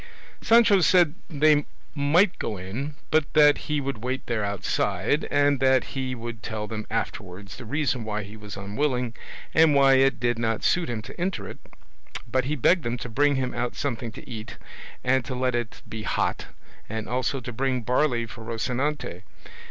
Sancho said they might go in, but that he would wait there outside, and that he would tell them afterwards the reason why he was unwilling, and why it did not suit him to enter it; but he begged them to bring him out something to eat, and to let it be hot, and also to bring barley for Rocinante.